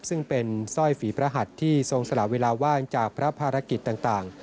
ซึ่งเป็นสร้อยฝีพระหัสที่ทรงสละเวลาว่างจากพระภารกิจต่าง